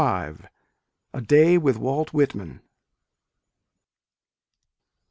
Morris. A DAY WITH WALT WHITMAN.